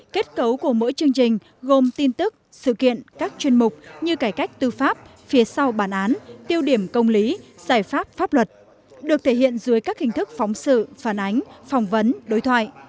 kết cấu của mỗi chương trình gồm tin tức sự kiện các chuyên mục như cải cách tư pháp phía sau bản án tiêu điểm công lý giải pháp pháp luật được thể hiện dưới các hình thức phóng sự phản ánh phỏng vấn đối thoại